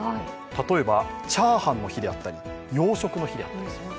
例えば、チャーハンの日であったり洋食の日だったりする。